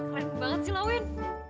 keren banget sih lawin